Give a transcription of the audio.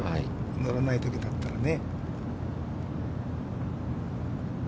乗らないときだったらね。